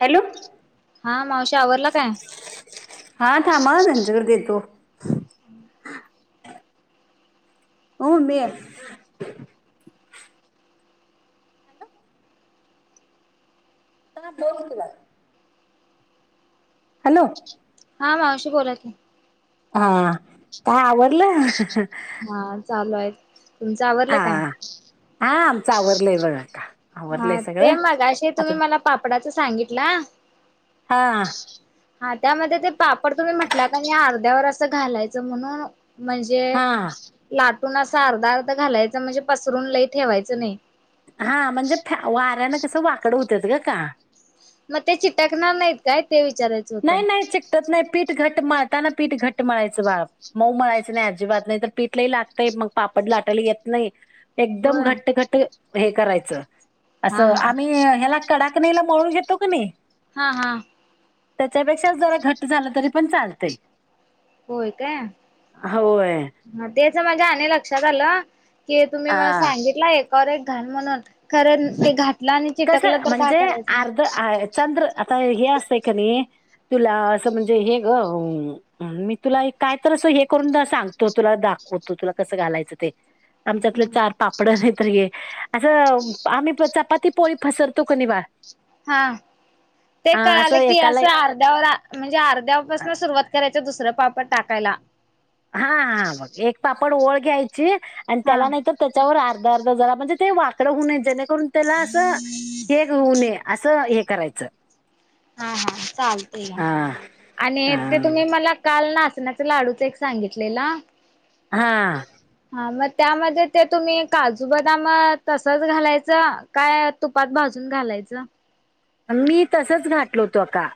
Hello हा मावशी आवरला काय हा थांबा हा त्यांच्याकडं देतो हम् [inaudible] हो मिळेल हॅलो हा बोल की बाळ हॅलो हा मावशी बोला की हा काय आवरलं हा चालू आहेत. तुमचं आवरलं काय आमच आवरले बघ आता हा ते मगाशी तुम्ही मला पापडाचं सांगितला हा हा त्यामध्ये ते पापड तुम्ही म्हटला कणी अर्ध्यावर असं घालायच म्हणून म्हणजे हा लाटून असा अर्धा अर्ध घालायच म्हणजे पसरून लय ठेवायचं नाही हा म्हणजे वाऱ्यान कसं वाकड होतात ग अक्का मग ते चिटाकणार नाहीत काय ते विचारायचं होतं नाही नाही चिकटत नाही पीठ घट मळताना पीठ घट्ट मळायचं बाळ मऊ मळायच नाही अजीबात नाही तर पीठ लय लागतय मग पापड लाटायला येत नाही एकदम होय घट्ट घट्ट हे करायचं हा असं हा आम्ही ह्याला कडा कनीला मळून घेतो कणी हा हा त्याच्यापेक्षा जरा घट्ट झालं तरी पण चालतय होय काय तेच माझ्या आणि लक्षात आलं की तुम्ही मला आ सांगितला एकावर एक घाल म्हणून खरं ते घात कस म्हणजे अर्ध चंद्र आता हे असतंय कणी तुला असं म्हणजे हे ग मी तुला काय तर असं हे करून सांगतो तुला द दाखवतो तुला कसं घालायचं ते आमच्यातले चार पापड नाही तर हे असं आम्ही चपाती पोळी फसरतो कनि बाळ हा ते हा कळालं की एकाला असं अर्ध्यावर म्हणजे अर्ध्यापासून सुरुवात करायची दुसरा पापड टाकायला हा हा म एक पापड ओळ घ्यायची आणि हा त्याला नाहीतर त्याच्यावरर् अर्ध अर्ध जरा म्हणजे ते वाकडं होऊ नये जेणेकरून त्याला असं हे होऊ नये असं हे करायचं हा हा चालत घ्या हा आणि ते हा तुम्ही मला काल ना नाचण्याच लाडूच एक सांगितलेला हा हा मग त्यामध्ये ते तुम्ही काजू बदाम तसच घालायचं काय तुपात भाजू न घालायच मी तसच घातलो तो का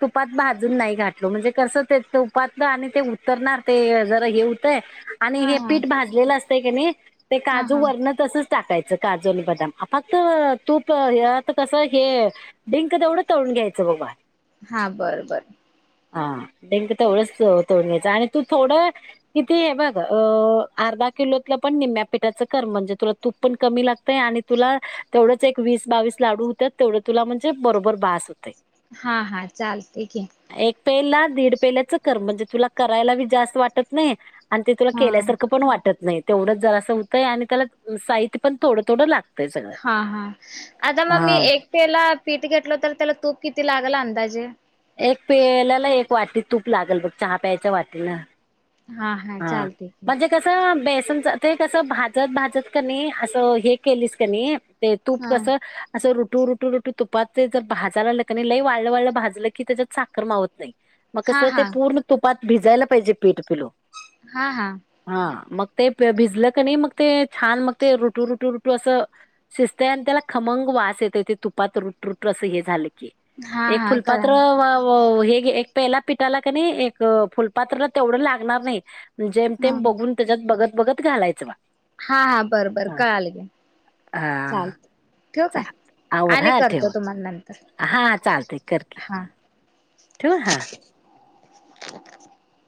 तुपात भाजून नाही घातलो म्हणजे कसं ते तुपात आणि ते उतरणार ते जरा हे आणि हा हे हा पीठ भाजलेलं असत की नाही ते हा काजू हा वरण तसच टाकायचं काजू आणि बदाम फक्त तूप ह्यात आता कसं हे डिंक तेवढं तळून घ्यायचं बघ बाळ. हा बरं बर. हा डिंक तेवढंच त तळून घ्यायचं आणि तू थोडं किती हे बघ अ आ र्धा किलोतलं पण निम्म्या पिठाचं कर म्हणजे तुला तूप पण कमी लागतय आणि तुला तेवढच एक वीस बावी बावीस लाडू हुत्यात, तेवढ तुला म्हणजे बरोबर बास होतयं‌. हा हा चालतयं की. एक पेला दीड पेल्याच कर म्हणजे तुला करायला बी जास्त वाटत नाही आणि ते तुला हा केल्यासारखं पण वाटत नाही तेवढंच जरासं होतंय आणि त्याला साहित्य पण थोड हा हा आता मग मी हा एक पेला पीट घेतलं तर त्याला तूप किती लागल अंदाजे? एक पेल्याला एक वाटी तूप लागल बघ चहा हा म्हणजे कसं बे ते कसं भाजत भाजत कनई असं हे केलीस क नाही ते तूप हा कसं असं रू रोटू रोटू तुपाातचे जर भाजयला लागल क नाई लई वाळं वाळं भाजलं की त्याच्यात साखर मावत नाही. मग कस हा ते हा पूर्ण तुपात भिजायला पाहिजे पीठ पिल्लू हा हा हा मग ते प भिजलं क नाही मग ते छान मग ते रुटू रुटू रुटू असं शिजतय आणि त्याला खमंग वास येतयं ते तुपात रुट रुट अस हे झाल हा एक हा कळा फुलपात्र व व हे एक पेला पिठाला क नाई एक फुलपात्र तेवढं लागणार नाही. जेम तेम बघून त्याच्यात बघत बघत घालायचं बाळं. हा हा बर बर कळालं घ्या. हा. चाल आवर आणि हा करतो ठेव, तुम्हाला नंतर हा चालतयं करकी हा. ठेवू हा. [inaudible]